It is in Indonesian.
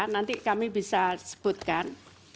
nanti kami bisa sebutkan